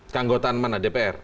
keanggotaan mana dpr